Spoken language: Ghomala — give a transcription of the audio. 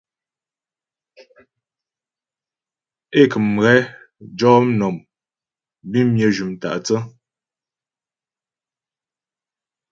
É kə̀m ghɛ jɔ nɔm bimnyə jʉm tâ'thə́.